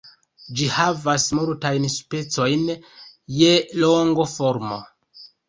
Ĝi havas multajn specojn je longo, formo.